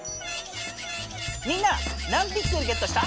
みんな何ピクセルゲットした？